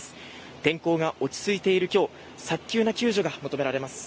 天候が落ち着いている今日早急な救助が求められます。